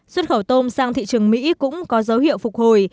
xuất khẩu tôm sang thị trường mỹ cũng có dấu hiệu phục hồi